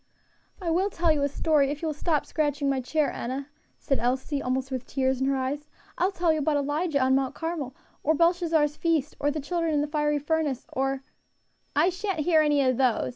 "I will tell you a story if you will stop scratching my chair, Enna," said Elsie, almost with tears in her eyes, "I will tell you about Elijah on Mount Carmel or Beishazzar's feast, or the children in the fiery furnace, or " "I sha'n't hear any of those!